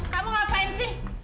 kamu ngapain sih